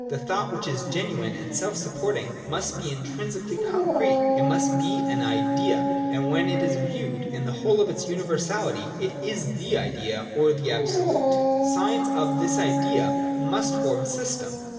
The thought, which is genuine and self sup porting, must be intrinsically concrete ; it must be an Idea ; and when it is viewed in the whole of its univer sality, it is the Idea, or the Absolute. The science of this Idea must form a system.